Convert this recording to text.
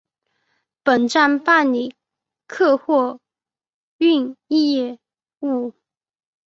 本站办理客货运业务。